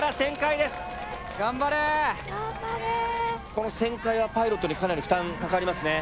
この旋回はパイロットにかなり負担かかりますね。